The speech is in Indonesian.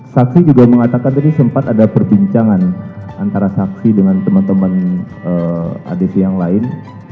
saksi juga mengatakan tadi sempat ada perbincangan antara saksi dengan teman teman adc yang lain